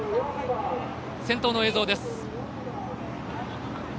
先頭の映像です。